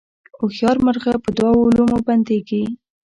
هوښیار مرغه په دوو لومو بندیږي